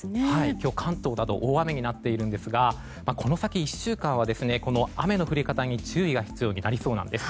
今日、関東など大雨になっているんですがこの先１週間はこの雨の降り方に注意が必要になりそうなんです。